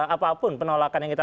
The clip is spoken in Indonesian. apapun penolakan yang kita